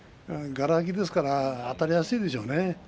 がら空きですからあたりやすいでしょうね。